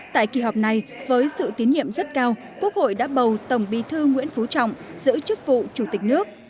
tại kỳ họp này với sự tiến nhiệm rất cao quốc hội đã bầu tổng bí thư nguyễn phú trọng giữ chức vụ chủ tịch nước